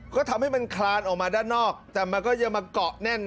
ก็ทำให้มันคลานออกมาด้านนอกแต่มันก็จะมาเกาะแน่น